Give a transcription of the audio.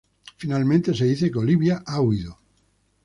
Finalmente, se dice que Olivia ha huido.